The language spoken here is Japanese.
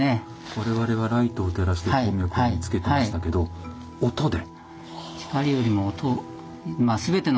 我々はライトを照らして鉱脈を見つけてましたけど音で？